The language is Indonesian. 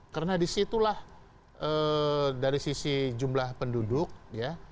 karena disitulah dari sisi jumlah penduduk ya